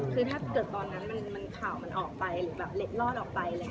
คือถ้าเกิดตอนนั้นมันข่าวมันออกไปหรือเล็กลอดออกไป